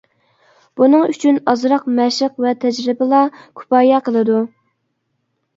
بۇنىڭ ئۈچۈن ئازراق مەشىق ۋە تەجرىبىلا كۇپايە قىلىدۇ.